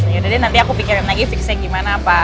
yaudah deh nanti aku pikirin lagi fixnya gimana pak